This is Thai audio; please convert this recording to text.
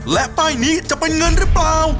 และป้ายนี้จะเป็นเงินหรือเปล่า